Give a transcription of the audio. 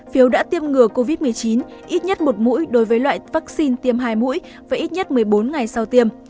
phiếu đã tiêm ngừa covid một mươi chín ít nhất một mũi đối với loại vaccine tiêm hai mũi và ít nhất một mươi bốn ngày sau tiêm